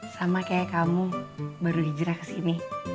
sama kayak kamu baru hijrah kesini